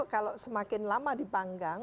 kalau semakin lama dipanggang